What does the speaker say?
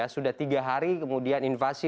selamat malam mas